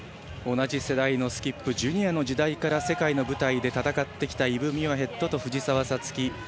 同じ世代のスキップジュニアの時代から世界の舞台で戦ってきたイブ・ミュアヘッドと藤澤五月。